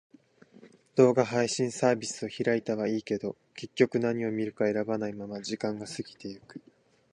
動画配信サービスを開いたはいいけど、結局何を見るか選べないまま時間が過ぎていく。